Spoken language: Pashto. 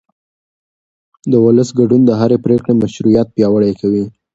د ولس ګډون د هرې پرېکړې مشروعیت پیاوړی کوي